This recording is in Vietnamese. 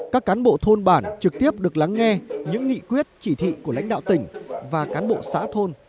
các cán bộ thôn bản trực tiếp được lắng nghe những nghị quyết chỉ thị của lãnh đạo tỉnh và cán bộ xã thôn